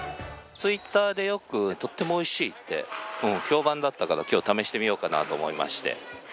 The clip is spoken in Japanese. Ｔｗｉｔｔｅｒでよくとってもおいしいって評判だったから今日試してみようかなと思いまして。